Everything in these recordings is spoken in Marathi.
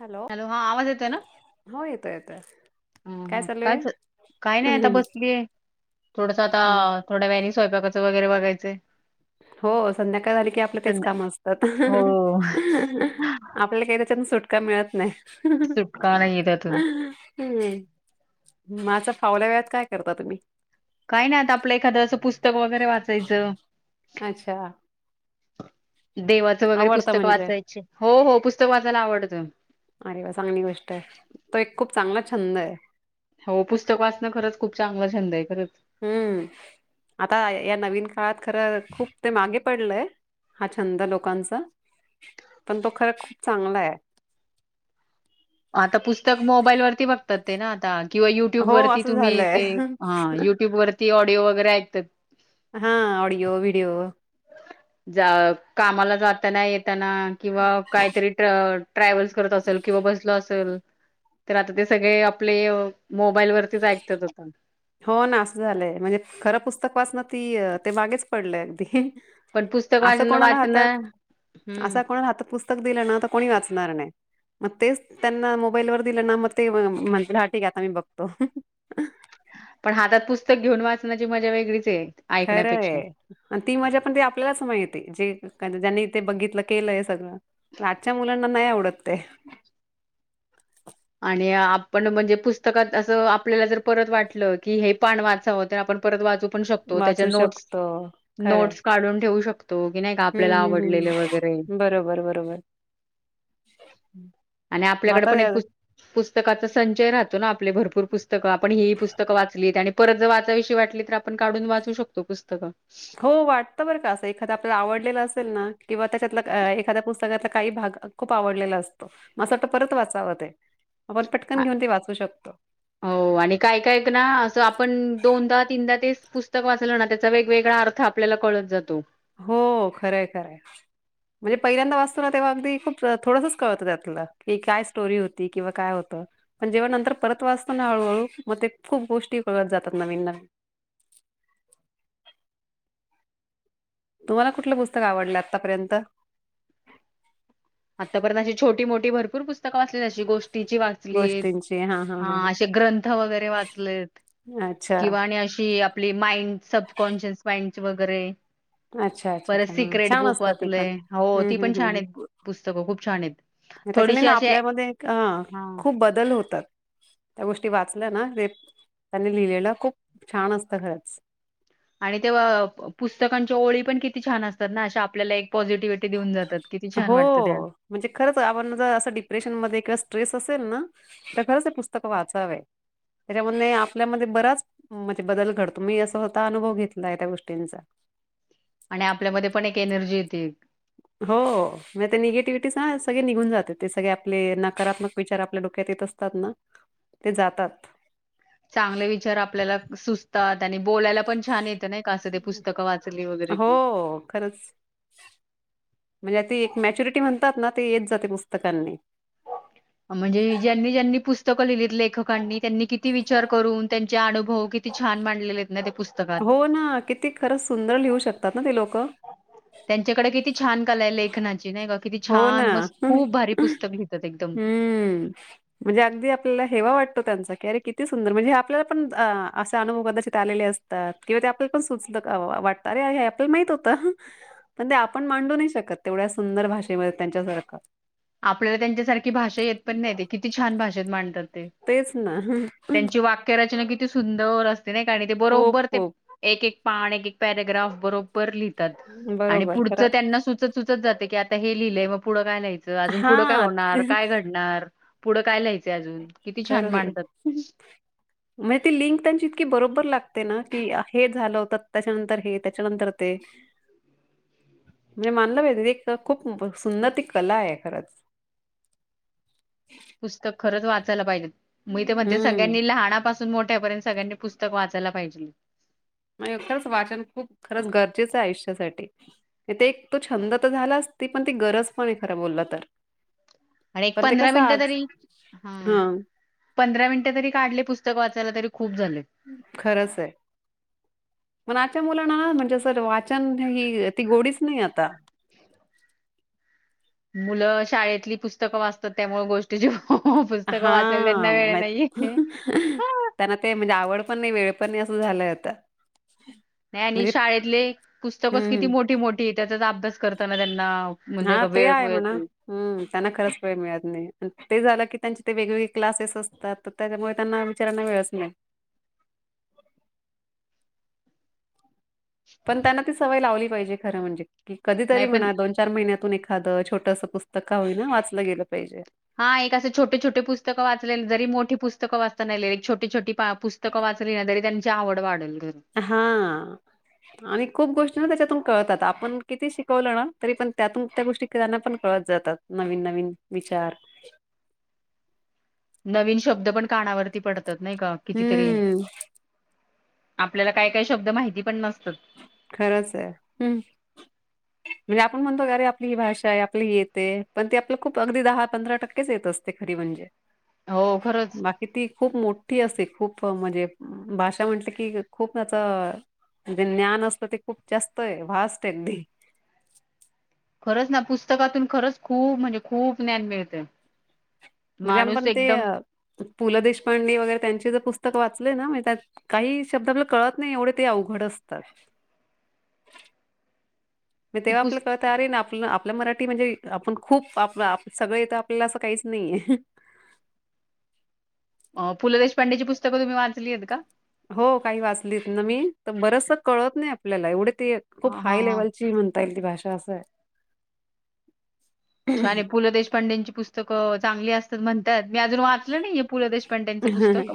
हॅलो हा आवाज हो येतो, येतो अम हम कायच काय नाही आता बसलीय थोडस आता थोडं वॅनी स्वयंपाकाच वगैरे बघायचं हो संध्याकाळी झाली की आपलं तेच काम असतात हो आपल्या काही त्याच्या सुट का मिळत नाही सुटका नाहीये त्यातून हम् माझा फावल्या वेळत काय करता तुम्ही काय नाही आता आपलं एखादं असं पुस्तक वगैरे वाचायचं अच्छा देवाचं वगैरे आवडतं पुस्तक म्हणजे वाचायचे हो हो पुस्तक वाचायला आवडतं. अरे वा चांगली गोष्ट आहे. तो एक खूप चांगला छंदय. हो पुस्तक वाचणं खरंच खूप चांगलं छंदय खरंच. हम्म आता या नवीन काळात खरं खूप ते मागे पडलय हा छंद लोकांचा पण तो खर खूप चांगला आहे. [inaudible] आता पुस्तक मोबाईल वरती बघतात ते ना आता किंवा युट्यूब हो वरती असं तुम्ही झालंय ते हा युट्युब वरती ऑडिओ वगैरे ऐकतात. हा ऑडिओ व्हिडिओ. जा कामाला जाताना ये ताना किंवा काहीतरी ट्रॅव्हल्स करत असेल किंवा बसल असेल. तर आता ते सगळे आपले मोबाईल वरतीच ऐकतात आता. हो ना असं झालंय म्हणजे खरं पुस्तक वाचणं ती ते मागेच पडलंय अगदी. पण पुस्तक वाचण वाचणं हम्म असा कोणा हातात पुस्तक दिलं ना तर कोणी वाचणार नाही. मग तेच त्यांना मोबाईलवर दिलं ना मग ते म्हण ह ठीक आता मी बघतो. पण हातात पुस्तक घेऊन वाचण्याची मजा वेगळीच आहे. ऐकण्यापेक्षा खरंय आणि ती मजा पण ती आपल्यालाच माहितीे जे ज्यांनी ते बघितलं केलं हे सगळ पण आजच्या मुलांना नाही आवडत ते. आणि आपण म्हणजे पुस्तकात असं आपल्याला जर परत वाटलं की हे पाण वाचावं तर आपण परत वाचू पण शकतो त्या वाचू नोट्स शकतो खरं नोटस काढून ठेव शक तो. कि नाही का हम्म आपल्याला हम्म आवडलेले हम्म वगैरे. बरोबर बरोबर आणि मग आपल्याकडे पण एक आता पु पुस्तकाचा संचय राहतो ना आपले भरपूर पुस्तकं आपण ही पुस्तक वाचलीत आणि परत जर वाचाशिवाय वा वाटली तर आपण काढून वाचू शकतो पुस्तकं. हो वाटतं बर का असं एखाद आपल्याला आवडलेलं असेल ना किंवा त्याच्यात एखाद्या पुस्तकातला काही भा ग खूप आवडलेला असतो म अस परत वाचाव ते. आपण आ पटकन घेऊन ते वाचू शक हो आणि काय कायक ना असं आपण दोनदा तीनदा तेच पुस्तक वाचलं ना त्याचा वेगवेगळा अर्थ आपल्याला कळत जातो. हो खरंय खरंय. म्हणजे पहिल्यांदा वाचतो ना तेव्हा अगदी खूप थोडसच कळतं त्यातलं की काय स्टोरी होती किंवा काय होतं. पण जेव्हा नंतर परत वाचतो ना हळूहळू मग ते खूप गोष्टी कळत जातात नवीन नवीन. [inaudible] तुम्हाला कुठलं पुस्तक आवडलं आतापर्यंत? आतापर्यंत अशी छोटी मोठी भरपूर पुस्तक वाचली जशी गोष्ट ची वाचली गोष्टींची हां हां हा हां असे ग्रंथ वगैरे वाचलेत. हां अच्छा किंवा आणि अशी आपली माइंड सबकॉन्शिस माइंड वगैरे. अच्छा अच्छा परत अच्छा हा सिक्रेट बुक छानस्त त पण वाचलय हो हम्म ती पण हम् हम् छान हम. आहेत पुस्तकं खूप छान आहेत. त्याच्याने थोडीशी ना अशी आपल्यामध्ये अ हा खूप बदल होतात. त्या गोष्टी वाचल्या ना ते त्याने लिहिलेलं खूप छान असत खरंच. आणि ते्हा पुस्तकांच्या ओळी पण किती छान असतात ना अशा आपल्याला एक पॉझिटिव्हिटी देऊन जातात किती छान हो वाटतं त्या म्हणजे खरच आपणर डिप्रेशन म स्ट्रेस अस ना तर खरंच हे पुस्तक वाचावे. त्याच्यामध्ये आपल्यामध्ये बराच म्हणजे बदल घडतो मी स्वतः अनुभव घेतलाय त्या गोष्टींचा. [inaudible] आणि आपल्यामध्ये पण एक एनर्जी येते एक. हो म निगेटिव्हटी ना सगळे निघून जाते ते सगळे आपले नकारात्मक विचार आपल्या डो क्यात येत असतात ना ते जातात. चांगले विचार आपल्याला सुचतात आणि बोलायला पण छान येत नाही का? असं ते पुस्तकं वाचली वगैरे की हो खरंच म्हणजे ती एक मॅच्युरिटी म्हणतात ना, ते येत जाते पुस्तकांनी म्हणजे ज्यांनी ज्यांनी पुस्तकं लिहिलीत लेखकांनी, त्यांनी किती विचार करून? त्यांचे अनुभव कि ती छान मांडलेलेत? हो ना, किती खरंच सुंदर लिहू शकतात ना? ते लोक. त्यांच्याकडे किती छान! कला आहे लेखनाची नाही का? किती हो ना, छान मस्त खूप भारी पुस्तक लिहितात एकदम हम्म म्हणजे अगदी आपल्याला हेवा वाटतो त्यांचा अरे, किती सुंदर! म्हंजे आपल्याला अ असे अनुभव कदाचित आलेले असतात किंवा ते आपण सुद्धा वाचलं की वा वाटत, अरे हे आपल्याला हे माहित होतं. पण ते आपण मांडू नाही शकत, तेवढ्या सुंदर भाषेमध्ये त्यांच्यासारखं. आपल्याला त्यांच्यासारखी भाषा येत पण नाही बाई. ते किती छान भाषेत मांडतात. तेच ना. त्यांची वाक्यरचना किती. किती सुंदर असते नाही का. ते खूप, बरोबर ते. खूप. एक-एक पान एक एक पॅरग्राफ बरोबर लिह तात आणि बरोबर खरं. पुढचं त्यांना सुचत-सुचत जाते की आता हे लिहिलंय मग पुढं काय लिहायचं त्यात. अजून पुढं काय हां. होणार. काय घडणार. पुढं काय लहायचं. खर म ती लिंक त्यांची. बरोबर लागते ना. की हे झालं होत. त्याच्यानंतर हे त्याच्यानंतर ते. म्हणजे मानलं पाहिजे. एकतर खूप सुंदर ती कला आहे खरंच. ह [inaudible] पुस्तक खरंच वाचायला पाहिजे मी ते म्हणते हम्म सगळ्यांनी लहापासून मोठ्या पर्यंत सगळ्यांनी पुस्तक वाचायला पाहिजे. मग खरंच वाचन खूप खरंच गरजेचं आयुष्यासाठी ते एक तो छंद तर झाला अस. ते पण ती गरज पण आहे खरं बोललं तर. आणि एक पण ते पंधरा कसं मिनिट आज तरी. ह हा पंधरा मिनट तरी काढले पुस्तक वाच खरंच आहे. मग आजच्या मुलांना. म्हणजे सर वाचन हि ती गोडीच नाही आता. [inaudible] मुलं शाळेतली पुस्तकं वाचतात त्यामुळे गोष्टी जेव हा म नाहीये. त्यांना ते म्हणजे आवड. पण नाही. वेळ पण नाही. असं झालाय आता. नाही आणि म्हणजे शाळेतले पुस्तकच किती हम्म. मोठी-मोठी त्याचाचा अभ्यास करताना त्यांना. म्हणजे हा का ते वेळ आहे मिळत म्हणा. नाही. हम त्यांना खरंच वेळ मिळत नाही. ते झाल. त्यांचे ते वेगवेगळे क्लासेस असतात. तर त्याच्यामुळे त्यांना बिचाऱ्याना वेळच नाही. [inaudible] पण त्यांना ती सवय लावली पाहिजे, खरं म्हणजे की नाही कधीतरी पण म्हणा, दोन चार महिन्यातून एक एखादं छोटस पुस्तकं का होईना? वाचलं गेलं पाहिजे. हा एक असे छोटे छोटे त्येनाले छोटी छोटी पा पुस्तक वाचली, तरी त्यांची आवड वाढल. हा आणि खूप गोष्टी ना, त्याच्यातून कळतात. आपण किती शिकवलं ना, तरी पण त्यातून त्या गोष्टी त्यांना पण कळत जातात. नवीन नवीन चार नवीन शब्द पण कानावरती पडतात नाही का? कितीतरी? हम्म आपल्याला काय काय शब्द माहिती पण नसतात. खरंच हाय. म्हणजे आपण म्हणतो की, अरे आपली ही भाषा आहे, आपली येते पण ती, आपलं खूप अगदी दहा पंधरा टक्केच येत असते खरी म्हणजे. हो खरंच बाकी ती खूप मो ठी असते, खूप म्हणजे भाषा म्हटलं की, खूप त्याचं ज्ञान अस ते खूप जास्त आहे, व्हास्ट आहे ते. खरंच ना, पुस्तकातून खरंच खूप म्हणजे खूप ज्ञान मिळत. म्हणजे आपण ते पु ल देशपांडे वगैरे त्यांचे जर पुस्तक पुस्तक वाचलेय ना, मी म्हणजे त्यात काही शब्द आपल्याला कळत नाही, एवढे ते अवघड असतात. [inaudible] मग ती तेव्हा आपलं पुस् कळत, आरे ना आप न आप आपलं मराठी म्हणजे, आपण खूप आप सगळ येथ, आपल्याला असं काहीच नाहीये. [inaudible] अ पु ल देेशपांडेची पुस्तकं, तुम्ही वाचली आहेत का? हो काही वाचलीत ना मी, तर बरचस कळत नाही आपल्याला एवढे ती खूप हा हा हाय हा. लेवलची म्हणता येईल ती भाषा असायं. छानयं. पु ल देशपांडेंची पुस्तकं चांगली असत्यात म्हणत्यात. मी अजून वाचलं नाहीे पु ल देेश- - ह ह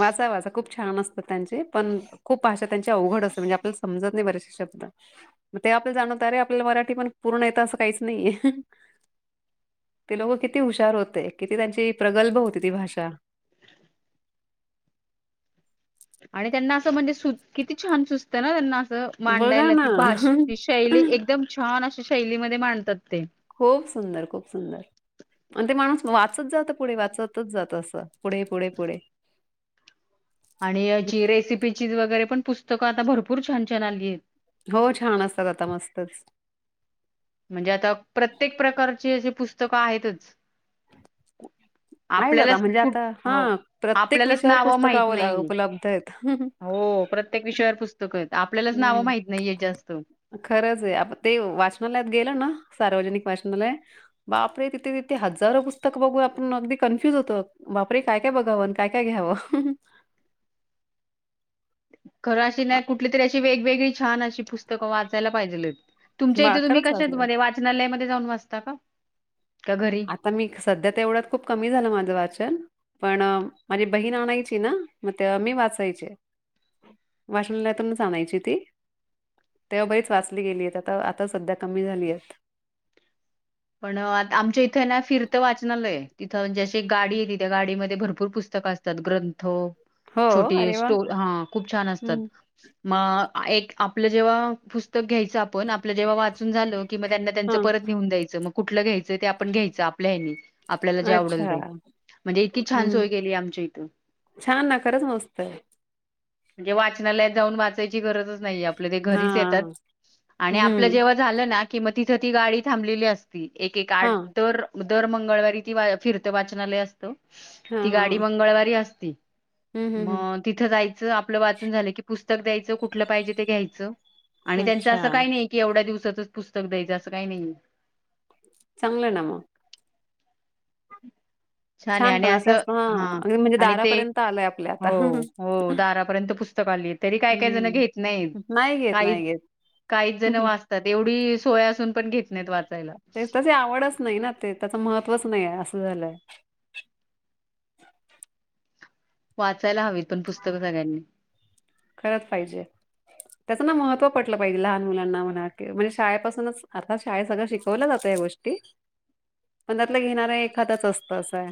वाचा वाचा खूप छान असतात त्यांची पण- - खूप भाषा त्यांची अवघड असते म्हणजे आपल्याला समजत नाही बरेचसे शब्द ते आपल्या जाणवते आपल्याला अरे मराठी पण पूर्ण येत असं काहीच नाहीये. ते लोक किती हुशार होते किती त्यांची प्रगल्भ होती ती भाषा. आणि त्यांना असं म्हणजे सु किती छान सुचतं ना त्यांना. बघा मांडायला ना ती भाष ती शैली एकदम छान अशा शैलीमध्ये मांडतात ते. खूप सुंदर खूप सुंदर. आणि ते माणूस वाचत जात. पुढे वाचतच जात. असं पुढे पुढे पुढे. आणि याची रेसिपीची वगैरे पण पुस्तकं आता भरपू - - हो छान असतात आता मस्तच. म्हणजे आता प्रत्येक प्रकारची अशी पुस्तकं आहेतच. आहेच आता आपल्यालाच म्हणजे कुट आता हो हा प्रत्येक आपल्यालाच विषयावर नाव पुस्तक माहित नाहीयेत. उपलब्ध आहेत हो. हो. प्रत्येक विषयावर पुस्तकायत. हम्म. खरंचये आप ते वाचणालयात गेलो ना. सार्वजनि वाचनालय बापरे तिथे तथे हजारो पुस्तक बघून आपण नोंदणी करू कन्फ्युज होतो. बापरे काय काय बघावं? काय काय घ्यावं? खरं अशी अ, नाही कुठली तरी अशी वेगवेगळी छान अशी पुस्तकं वाचायला पाहिजेलेत. तुमच्या वा इथे तुम्ही खरंच कशा वाचलंय. मध्ये वाचनालयामध्ये जाऊन वाचता का? का घरी? आता मी सध्या तेवढ्यात खूप कमी झालं माझं वाचन. पण माझी बहीण आणायची ना. म तेव्हा मी वाचायचे. वाचनालयातूनच आणायची ती. तेव्हा बरीच वाचली गेलीयेत. आता आता सध्या कमी झालीयेत. पण आमच्या इथ ना फिरतं वाचनालय तिथं जशी एक गाडी येत त्या गाडीमध्ये भरपूर पुस्त क असतात. ग्रंथ हो, छोटी अरे वाह! स्टो हा खूप छान असतात. हं, म एक आपलं जेव्हा पुस्तक घ्यायचं आपण आप लं जेव्हा वाचून झालं कि मग त्यांना त्यांच हां. परत नेहून द्यायचं. मग कुठलं घ्यायचं ते आपण घ्यायच आपल्या हेनी. आपल्याला जे आवडल अच्छा. ते म्हणजे इतकी छान हं. सोय केली आमच्या इथं. छान ना खरंच मस्तय. म्हणजे वाचनालयात जाऊन वाचायची गरजच नाही आप - - आप ते घरीच येतात हां. आणि आपलं हं. जेव्हा झालं ना कि म तिथं ती गाडी थांबलेली अस ची एक एक आठ हां, दर दर मंगळवारी ती वा फिरतं वाचनालय असतं. ती हां, हां, गाडी हां. मंगळवारी असती. हं, हं, मग तिथं जायचं. आपलं वाचून झालं की पुस्तक द्यायचं. कुठलं पाहिजे ते घ्यायचं. आणि हं. त्यांचं असं अच्छा. काही नाही. की एवढ्या दिवसातच पुस्तक द्यायचं असं काही नाही. चांगलं ना मग. हम्. छानये छान आणि पण असं असतं हां, हा अगदी म्हणजे आणि ते दारापर्यंत आलंय आपल्या आता. हो हं. हो दारापर्यंत पुस्त- - क आली. तरी काही काहीजण घेत नाहीत. नाही घेत, काही नाही घेत. काही हं, जण हं. वाचतात एवढी - - सोय असून पण घेत नाहीत वाचायला. ते तेची आवडच नाही ना त्याच मह - - त्वच नाही असं झालंय. वाचायला हवी पण पुस्तकं सगळ्यांनी. खरच पाहिजे. त्याच ना महत्व पटलं पाहिजे. लहान मुलांना म्हणा म्हणजे शाळेपासूनच आता शाळेत सगळं शिकवलं जातय. हया गोष्टी. पण त्यातल घेणारा एखादाच असत असाय.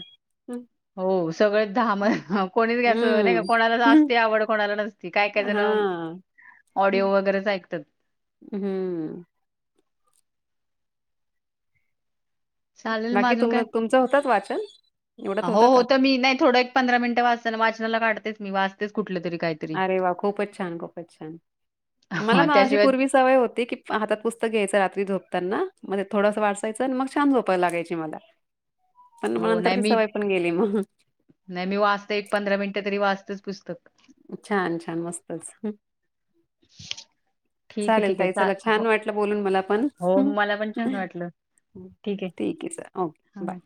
हो सगळं धाम हाय कोणीबी घ्यायचं नाही का हं. कोणाला हं. असते आवड कोणाला नसते ते काय काय जणं, हां. ऑडिओ वगैरेच ऐकत्यात. हूं हूं. चालेल मग बाकी अजून तुमी, काय तुमचं होतात वाचन. एवढ्यात हो, होतं हो का तर मी नाही थोडं, एक पंधरा मिनिट वाचताना, वाचनाला काढतेच मी वाचतेच. कुठलं तरी काहीतरी अरे वा! खूपच छान, खूपच छान. मला ना अशी त्याशिवाय पूर्वी सवय होती, की हातात पुस्तक घ्यायचं रात्री झोपतानाऽऽ म्हणजे थोडंस वाचायचं आणि मग छान झोपाय लागायची मला. पण मग हो नंतर नाही ती मी, सवय पण गेली मग नाही मी वाचते, एक पंधरा मिनटं तरी वाचतेच पुस्तक. छान, छान, मस्तच. ठीक आहे चालेल ठीक आहे ताई, चा चला हो छान वाटलं बोलून मला पण. हो हूं. मला पण छान वाटलं ठीक आहे सर, ओ- हा. बाय.